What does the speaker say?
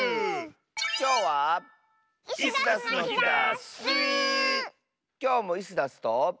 きょうもイスダスと。